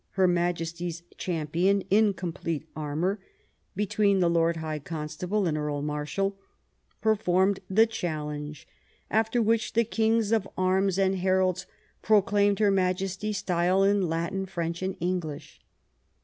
her Majesty's champion, in complete armor, between the Lord High Constable and Earl Marshal, performed the challenge, after which the kings of arms and heralds proclaimed her Majesty's style in Latin, French, and English."